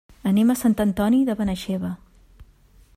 Anem a Sant Antoni de Benaixeve.